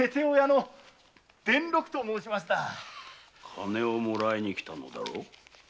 金をもらいに来たのだろう？